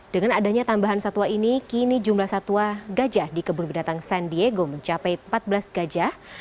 dengan adanya tambahan satwa ini kini jumlah satwa gajah di kebun binatang san diego mencapai empat belas gajah